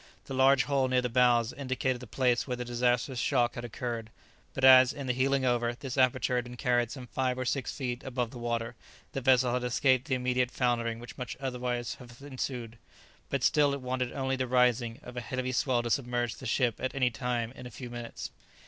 The large hole near the bows indicated the place where the disastrous shock had occurred, but as, in the heeling over, this aperture had been carried some five or six feet above the water, the vessel had escaped the immediate foundering which must otherwise have ensued; but still it wanted only the rising of a heavy swell to submerge the ship at any time in a few minutes.